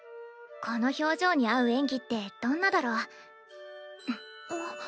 この表情に合う演技ってどんなだろ？んっ。